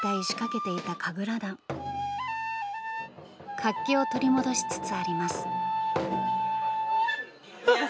活気を取り戻しつつあります。